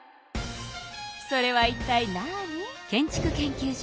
それはいったいなに？